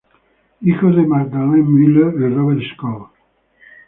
Hijos de Magdalene Müller y Robert Scholl.